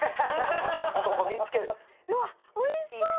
うわっ、おいしそう。